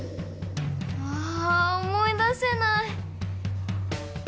あ思い出せない！